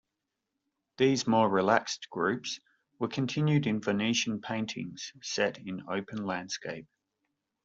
These more relaxed groups were continued in Venetian paintings set in open landscape.